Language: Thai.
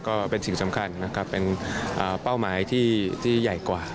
ก็เป็นสิ่งสำคัญนะครับเป็นเป้าหมายที่ใหญ่กว่า